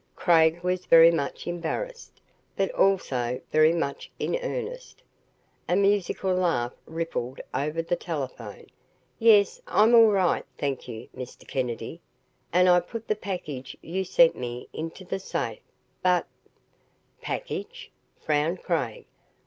Craig was very much embarrassed, but also very much in earnest. A musical laugh rippled over the telephone. "Yes, I'm all right, thank you, Mr. Kennedy and I put the package you sent me into the safe, but " "Package?" frowned Craig.